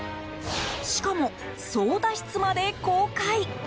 しかも、操舵室まで公開。